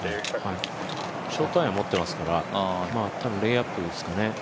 ショートアイアンを持っていますから、多分レイアップですかね。